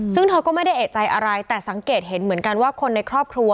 ซึ่งเธอก็ไม่ได้เอกใจอะไรแต่สังเกตเห็นเหมือนกันว่าคนในครอบครัว